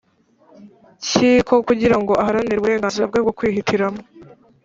Kiko kugira ngo aharanire uburenganzira bwe bwo kwihitiramo